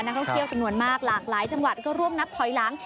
ท่องเที่ยวจำนวนมากหลากหลายจังหวัดก็ร่วมนับถอยหลัง